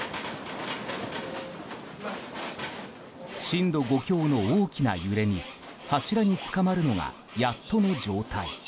震度５強の大きな揺れに柱につかまるのがやっとの状態。